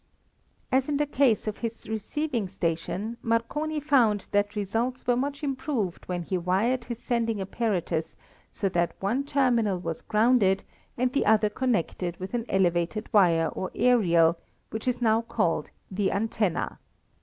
As in the case of his receiving station, Marconi found that results were much improved when he wired his sending apparatus so that one terminal was grounded and the other connected with an elevated wire or aerial, which is now called the antenna.